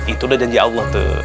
itu udah janji allah tuh